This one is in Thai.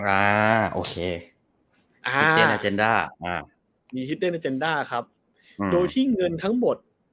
อ่าโอเคอ่าอ่าครับโดยที่เงินทั้งหมด